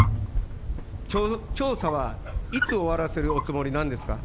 調査はいつ終わらせるおつもりなんですか。